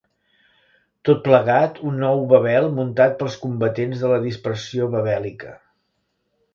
Tot plegat, un nou Babel muntat pels combatents de la dispersió babèlica.